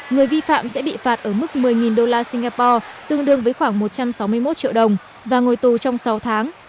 người vi phạm sẽ bị phạt ở mức một mươi đô la singapore tương đương với khoảng một trăm sáu mươi một triệu đồng và ngồi tù trong sáu tháng